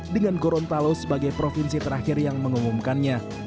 dengan gorontalo sebagai provinsi terakhir yang mengumumkannya